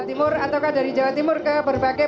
timur atau dari jawa timur ke berbagai